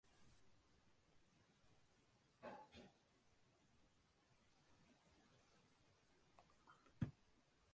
உறவு கொண்டபின் விருப்பு வெறுப்புகள் தலையெடுக்கக்கூடாது.